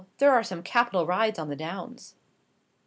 There are some capital rides on the Downs."